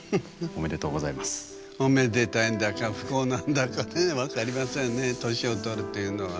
おめでたいんだか不幸なんだかねえ分かりませんね年を取るというのは。